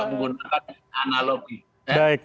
itu kalau menggunakan analogi